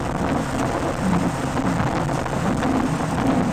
Her other films include "Priest" and "The Serpent and the Rainbow".